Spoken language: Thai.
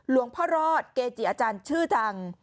หลวงพ่อรอดเกจิอาจารย์ชื่อดัง